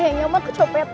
sekarang kamu ho consult